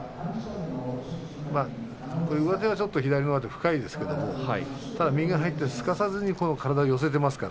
左上手はちょっと深いですけれど右が入って、すかさず体を寄せています。